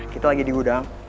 kita lagi di gudang